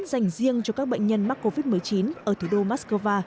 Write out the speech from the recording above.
dành riêng cho các bệnh nhân mắc covid một mươi chín ở thủ đô moscow